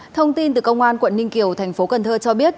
thông tin từ công an quận ninh kiều thành phố cần thơ cho biết